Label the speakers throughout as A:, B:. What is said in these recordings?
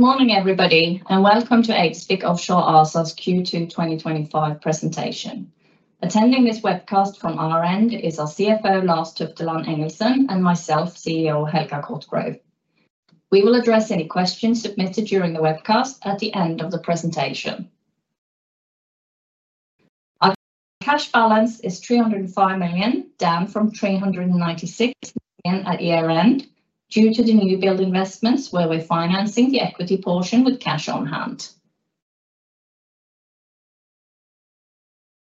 A: Good morning, everybody, and welcome to Eidesvik Offshore ASA's, our Q2 2025 Presentation. Attending this webcast from our end is our CFO, Lars Tufteland Engelsen, and myself, CEO Helga Cotgrove. We will address any questions submitted during the webcast at the end of the presentation. Our cash balance is 305 million, down from 396 million at year end due to the newbuild investments, where we're financing the equity portion with cash on hand.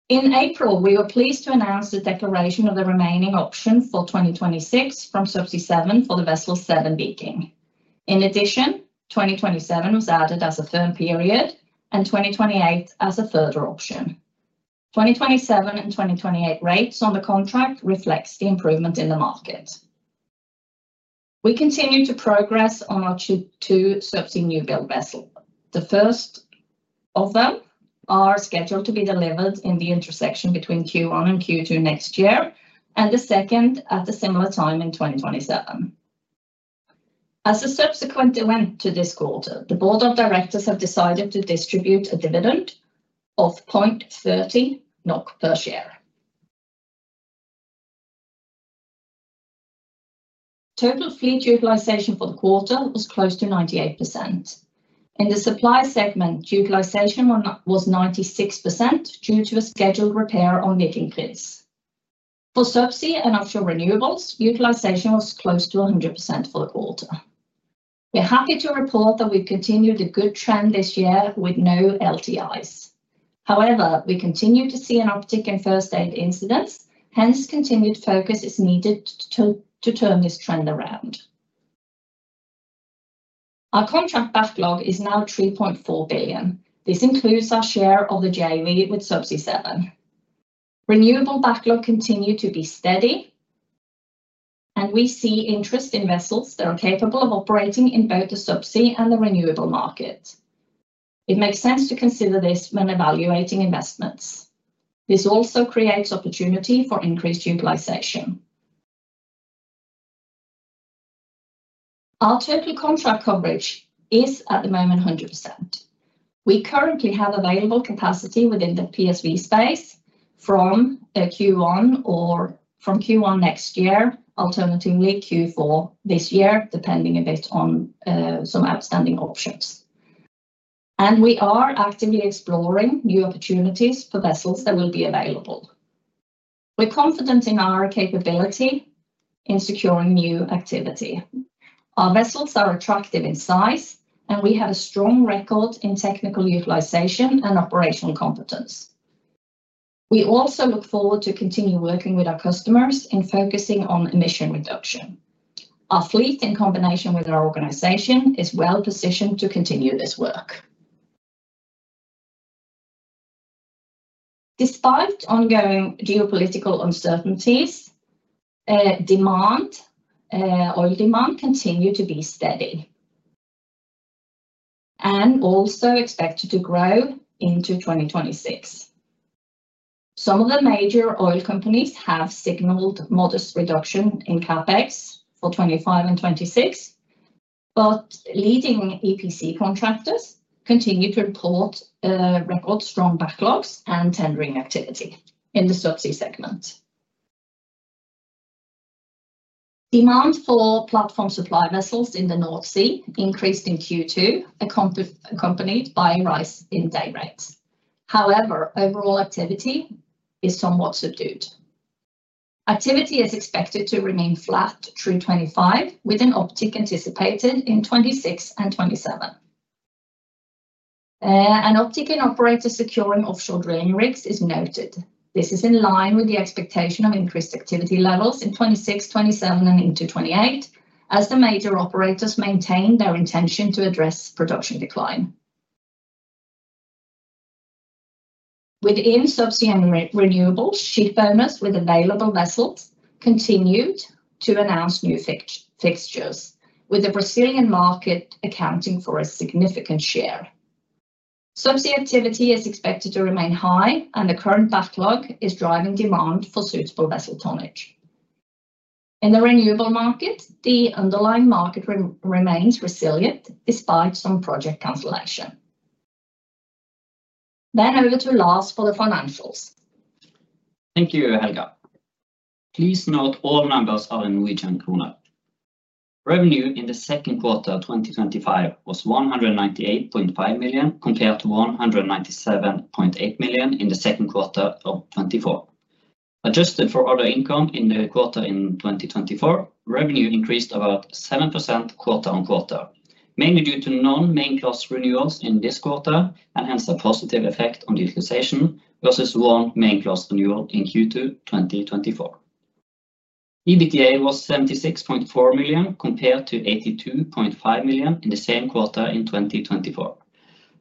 A: In April, we were pleased to announce the declaration of the remaining option for 2026 from Subsea7 for the vessel Seven Beating. In addition, 2027 was added as a firm period and 2028 as a further option. 2027 and 2028 rates on the contract reflect the improvement in the market. We continue to progress on our two newbuild vessels. The first of them is scheduled to be delivered in the intersection between Q1 and Q2 next year, and the second at a similar time in 2027. As a subsequent event to this quarter, the Board of Directors has decided to distribute a dividend of 0.30 NOK per share. Total fleet utilization for the quarter was close to 98%. In the supply segment, utilization was 96% due to a scheduled repair on Viking Prince. For subsea and offshore renewables, utilization was close to 100% for the quarter. We're happy to report that we've continued a good trend this year with no LTIs. However, we continue to see an uptick in first aid incidents, hence, continued focus is needed to turn this trend around. Our contract backlog is now 3.4 billion. This includes our share of the DIE with Subsea7. Renewable backlog continues to be steady, and we see interest in vessels that are capable of operating in both the subsea and the renewable market. It makes sense to consider this when evaluating investments. This also creates opportunity for increased utilization. Our total contract coverage is at the moment 100%. We currently have available capacity within the PSV space from Q1 next year, alternatively Q4 this year, depending a bit on some outstanding options. We are actively exploring new opportunities for vessels that will be available. We're confident in our capability in securing new activity. Our vessels are attractive in size, and we have a strong record in technical utilization and operational competence. We also look forward to continuing working with our customers and focusing on emission reduction. Our fleet, in combination with our organization, is well positioned to continue this work. Despite ongoing geopolitical uncertainties, oil demand continues to be steady and also expected to grow into 2026. Some of the major oil companies have signaled modest reduction in capex for 2025 and 2026, but leading EPC contractors continue to report strong backlogs and tendering activity in the subsea segment. Demand for platform supply vessels in the North Sea increased in Q2, accompanied by a rise in day rates. However, overall activity is somewhat subdued. Activity is expected to remain flat through 2025, with an uptick anticipated in 2026 and 2027. An uptick in operators securing offshore drilling rigs is noted. This is in line with the expectation of increased activity levels in 2026, 2027, and into 2028, as the major operators maintain their intention to address production decline. Within subsea and renewables, shipbuilders with available vessels continued to announce new fixtures, with the Brazilian market accounting for a significant share. Subsea activity is expected to remain high, and the current backlog is driving demand for suitable vessel tonnage. In the renewables market, the underlying market remains resilient despite some project cancellation. Now, over to Lars for the financials.
B: Thank you, Helga. Please note all numbers are in Norwegian kroner. Revenue in the second quarter of 2025 was 198.5 million compared to 197.8 million in the second quarter of 2024. Adjusted for other income in the quarter in 2024, revenue increased about 7% quarter-on-quarter, mainly due to non-main class renewals in this quarter, and hence a positive effect on utilization versus one main class renewal in Q2 2024. EBITDA was 76.4 million compared to 82.5 million in the same quarter in 2024.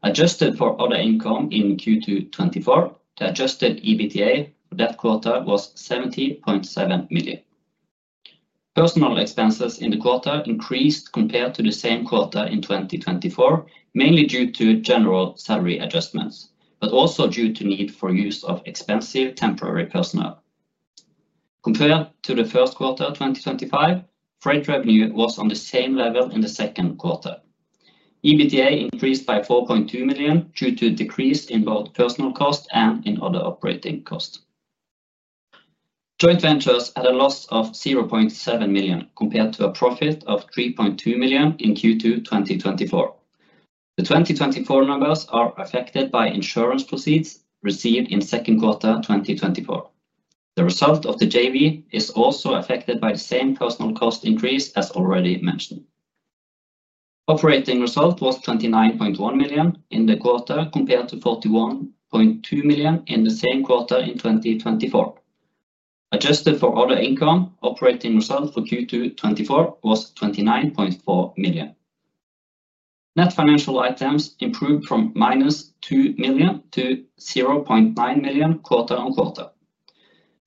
B: Adjusted for other income in Q2 2024, the adjusted EBITDA for that quarter was 70.7 million. Personnel expenses in the quarter increased compared to the same quarter in 2024, mainly due to general salary adjustments, but also due to the need for use of expensive temporary personnel. Compared to the first quarter of 2025, freight revenue was on the same level in the second quarter. EBITDA increased by 4.2 million due to a decrease in both personnel costs and in other operating costs. Joint ventures had a loss of 0.7 million compared to a profit of 3.2 million in Q2 2024. The 2024 numbers are affected by insurance proceeds received in the second quarter of 2024. The result of the JV is also affected by the same personnel cost increase as already mentioned. Operating result was 29.1 million in the quarter compared to 41.2 million in the same quarter in 2024. Adjusted for other income, operating result for Q2 2024 was 29.4 million. Net financial items improved from -2 million to 0.9 million quarter on quarter.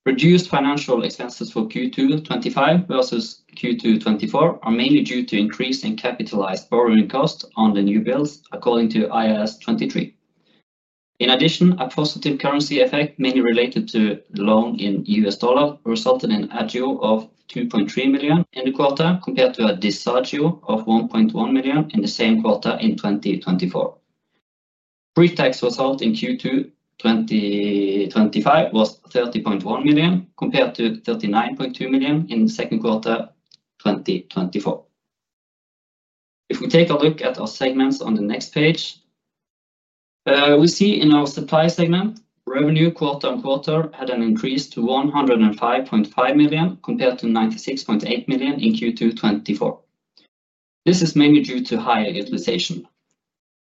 B: Reduced financial expenses for Q2 2025 versus Q2 2024 are mainly due to increasing capitalized borrowing costs on the new builds, according to IAS 23. In addition, a positive currency effect, mainly related to the loan in U.S. dollar, resulted in an agio of 2.3 million in the quarter compared to a disagio of 1.1 million in the same quarter in 2024. Pre-tax result in Q2 2025 was 30.1 million compared to 39.2 million in the second quarter of 2024. If we take a look at our segments on the next page, we see in our supply segment, revenue quarter-on-quarter had an increase to 105.5 million compared to 96.8 million in Q2 2024. This is mainly due to high utilization.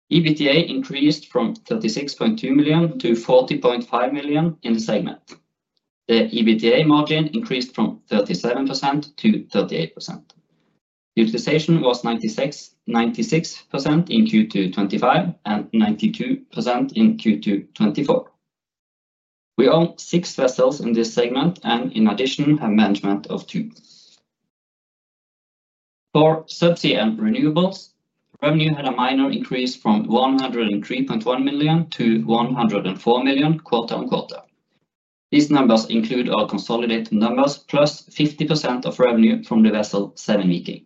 B: EBITDA increased from 36.2 million to 40.5 million in the segment. The EBITDA margin increased from 37% to 38%. Utilization was 96% in Q2 2025 and 92% in Q2 2024. We own six vessels in this segment and in addition have management of two. For subsea and renewables, revenue had a minor increase from 103.1 million to 104 million quarter-on-quarter. These numbers include our consolidated numbers plus 50% of revenue from the vessel Seven Viking.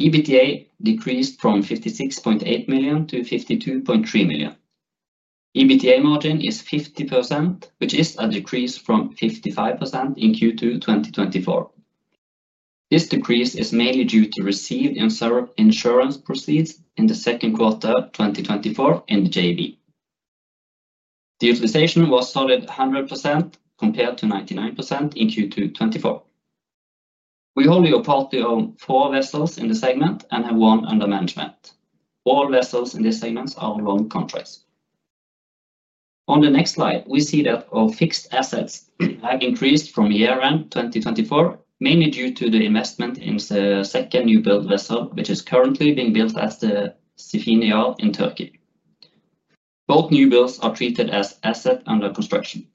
B: EBITDA decreased from 56.8 million to 52.3 million. EBITDA margin is 50%, which is a decrease from 55% in Q2 2024. This decrease is mainly due to received insurance proceeds in the second quarter of 2024 in the JV. Utilization was solid at 100% compared to 99% in Q2 2024. We only partly own four vessels in the segment and have one under management. All vessels in these segments are on contracts. On the next slide, we see that our fixed assets have increased from year end 2024, mainly due to the investment in the second newbuild vessel, which is currently being built at the Sefine yard in Turkey. Both newbuilds are treated as assets under construction.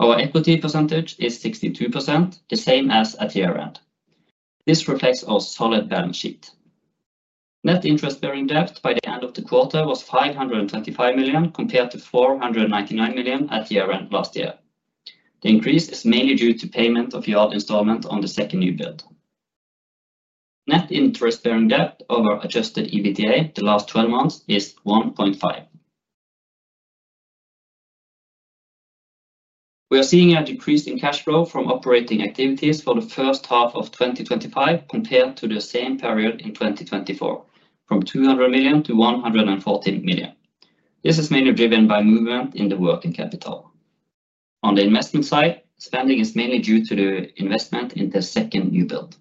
B: Our equity percentage is 62%, the same as at year end. This reflects our solid balance sheet. Net interest-bearing debt by the end of the quarter was 525 million compared to 499 million at year end last year. The increase is mainly due to payment of yard installment on the second newbuild. Net interest-bearing debt over adjusted EBITDA the last 12 months is 1.5. We are seeing a decrease in cash flow from operating activities for the first half of 2025 compared to the same period in 2024, from 200 million to 114 million. This is mainly driven by movement in the working capital. On the investment side, spending is mainly due to the investment in the second newbuild.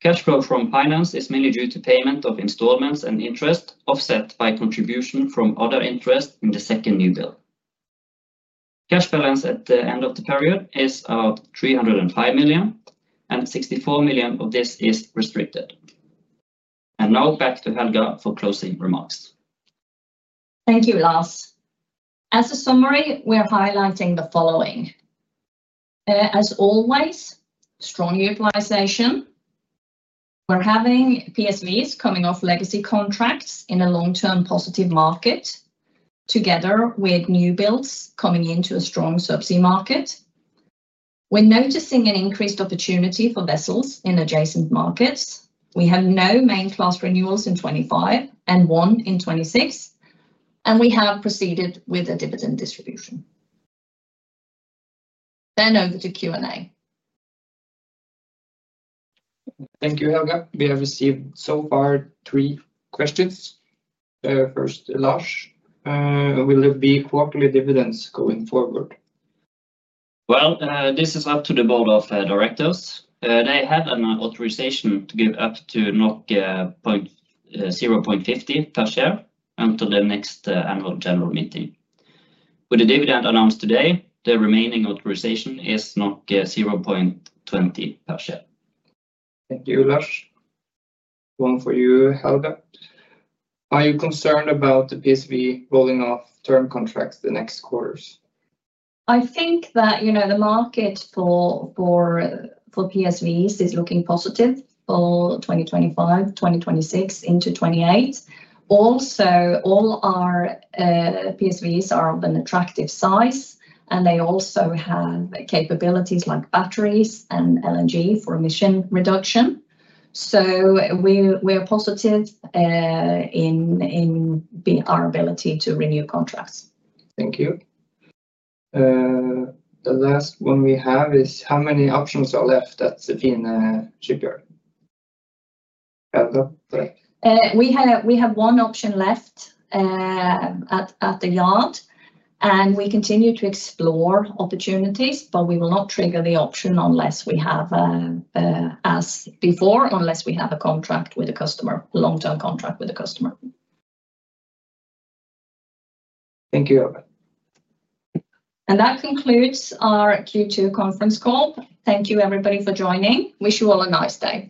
B: Cash flow from finance is mainly due to payment of installments and interest offset by contribution from other interest in the second newbuild. Cash balance at the end of the period is 305 million, and 64 million of this is restricted. Now back to Helga for closing remarks.
A: Thank you, Lars. As a summary, we are highlighting the following. As always, strong utilization. We're having PSVs coming off legacy contracts in a long-term positive market, together with new builds coming into a strong subsea market. We're noticing an increased opportunity for vessels in adjacent markets. We have no main class renewals in 2025 and one in 2026, and we have proceeded with a dividend distribution. Over to Q&A.
C: Thank you, Helga. We have received so far three questions. First, Lars, will there be quarterly dividends going forward?
B: This is up to the Board of Directors. They have an authorization to give up to 0.50 per share until the next annual general meeting. With the dividend announced today, the remaining authorization is 0.20 per share.
C: Thank you, Lars. One for you, Helga. Are you concerned about the PSV rolling off term contracts in the next quarters?
A: I think that the market for PSVs is looking positive for 2025, 2026, into 2028. Also, all our PSVs are of an attractive size, and they also have capabilities like batteries and LNG for emission reduction. We're positive in our ability to renew contracts.
C: Thank you. The last one we have is how many options are left at Sefine Shipyard?
A: We have one option left at the yard, and we continue to explore opportunities, but we will not trigger the option unless we have, as before, a contract with the customer, a long-term contract with the customer.
C: Thank you.
A: That concludes our Q2 conference call. Thank you, everybody, for joining. Wish you all a nice day.